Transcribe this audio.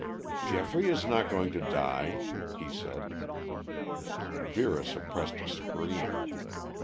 "Geoffrey is not going to die," he said. Vera suppressed a scream.